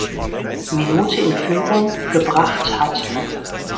Minute in Führung gebracht hatte.